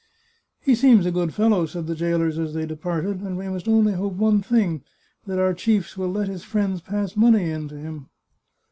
" He seems a good fellow," said the jailers as they departed, " and we must only hope one thing — that our chiefs will let his friends pass money in to him."